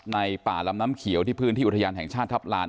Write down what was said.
ในป่าลำน้ำเขียวที่พื้นที่อุทยานแห่งชาติทัพลาน